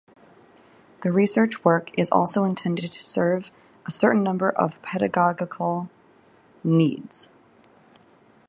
The research work is also intended to serve a certain number of pedagogical needs.